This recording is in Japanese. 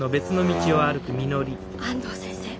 安藤先生